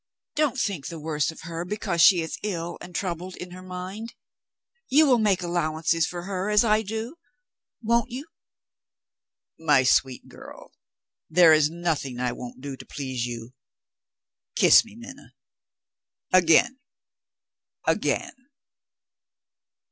Don't think the worse of her, because she is ill and troubled in her mind. You will make allowances for her as I do won't you?" "My sweet girl, there is nothing I won't do to please you! Kiss me, Minna. Again! again!"